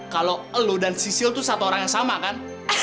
kalo lo dan sisil tuh satu orang yang sama kan